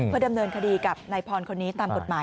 ดำเนินคดีกับนายพรคนนี้ตามกฎหมาย